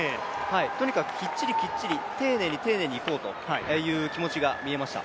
とにかくきっちりきっちり丁寧に丁寧にいこうという気持ちが見えました。